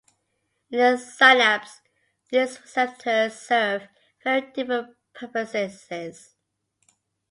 In the synapse, these receptors serve very different purposes.